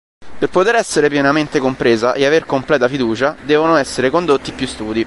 Per poter essere pienamente compresa e avere completa fiducia, devono essere condotti più studi.